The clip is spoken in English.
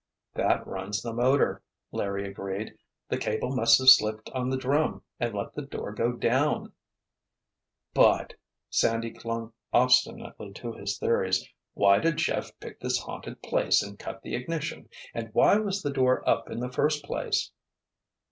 "That runs the motor," Larry agreed. "The cable must have slipped on the drum and let the door go down——" "But," Sandy clung obstinately to his theories, "why did Jeff pick this haunted place and cut the ignition—and why was the door up in the first place?"